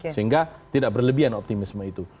sehingga tidak berlebihan optimisme itu